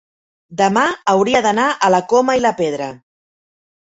demà hauria d'anar a la Coma i la Pedra.